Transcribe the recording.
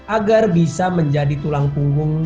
agar bisa menjadi tulang punggung